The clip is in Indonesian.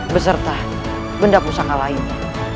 beserta benda pusaka lainnya